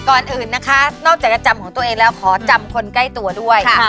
ก่อนอื่นนะคะนอกจากจะจำของตัวเองแล้วขอจำคนใกล้ตัวด้วย